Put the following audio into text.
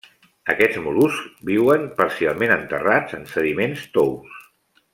Aquests mol·luscs viuen parcialment enterrats en sediments tous.